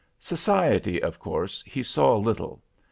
"Society, of course, he saw little.